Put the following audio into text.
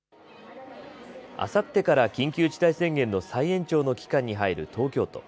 あさってから緊急事態宣言の再延長の期間に入る東京都。